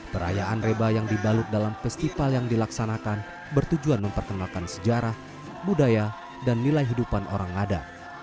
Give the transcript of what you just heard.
perayaan reba yang dibalut dalam festival yang dilaksanakan bertujuan memperkenalkan sejarah budaya dan nilai hidupan orang ngada